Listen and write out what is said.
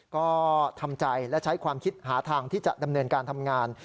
ก็ทำใจและใช้ความคิดหาทางที่จะดำเนินการทำงาน